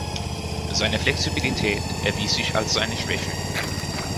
Seine Flexibilität erwies sich als seine Schwäche.